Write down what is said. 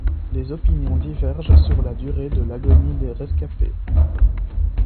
Les opinions divergent sur la durée de l'agonie des rescapés.